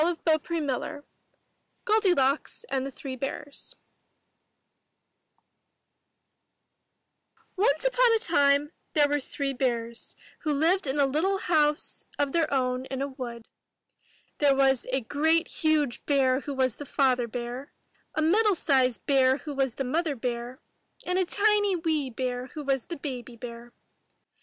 247 MYBOOK HOUSE GOLDILOCKS AND THE THREE BEARS An English Folk Tale Once upon a time there were three bears who lived in a little house of their own in a wood. There was a great huge bear who was the Father Bear, a middle sized bear who was the Mother Bear, and a tiny wee bear who was the Baby Bear.